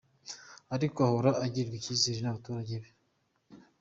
Ariko ahora agirirwa icyizere n’abaturage be.